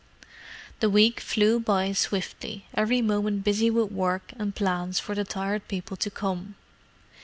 The week flew by swiftly, every moment busy with work and plans for the Tired People to come.